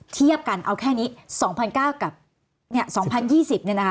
เทียบกันเอาแค่นี้๒๙๐๐กับ๒๐๒๐เนี่ยนะคะ